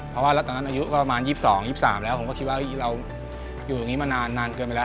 เพราะว่าแล้วตอนนั้นอายุประมาณ๒๒๓แล้วผมก็คิดว่าเราอยู่ตรงนี้มานานเกินไปแล้ว